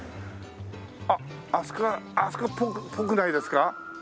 あっあそこあそこっぽくないですか？